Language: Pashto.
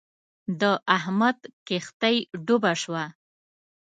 د احمد کښتی ډوبه شوه.